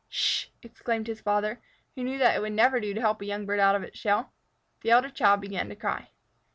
"'Sh!" exclaimed his father, who knew that it would never do to help a young bird out of its shell. The elder child began to cry.